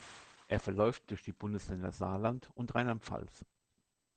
Er verläuft durch die Bundesländer Saarland und Rheinland-Pfalz.